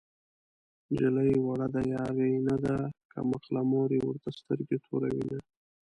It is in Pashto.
نجلۍ وړه د يارۍ نه ده کم عقله مور يې ورته سترګې توروينه